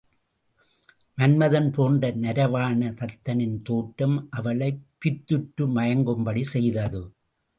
மன்மதன் போன்ற நரவாண தத்தனின் தோற்றம் அவளைப் பித்துற்று மயங்கும்படி செய்தது.